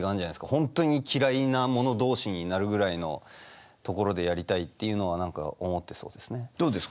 本当に嫌いな者同士になるぐらいのところでやりたいっていうのは何か思ってそうですね。